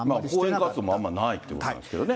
講演活動もあんまりないということなんですけどね。